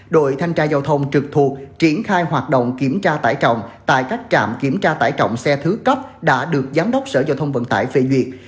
đội thanh tra giao thông trực thuộc triển khai hoạt động kiểm tra tải trọng tại các trạm kiểm tra tải trọng xe thứ cấp đã được giám đốc sở giao thông vận tải phê duyệt